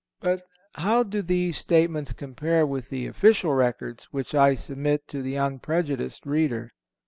But how do these statements compare with the official records which I submit to the unprejudiced reader?